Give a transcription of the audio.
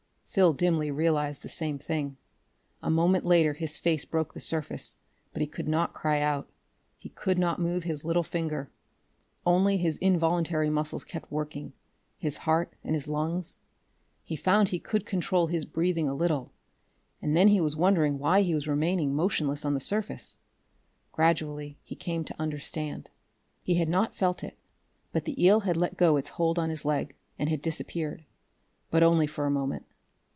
Phil dimly realized the same thing. A moment later his face broke the surface, but he could not cry out; he could not move his little finger. Only his involuntary muscles kept working his heart and his lungs. He found he could control his breathing a little.... And then he was wondering why he was remaining motionless on the surface. Gradually he came to understand. He had not felt it, but the eel had let go its hold on his leg, and had disappeared. But only for a moment.